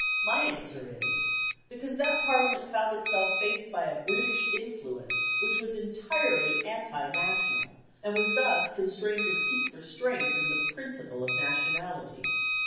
My answer is, because that Parliament found itself faced by a British influence which was entirely anti national, and was thus constrained to seek for strength in the principle of nationality.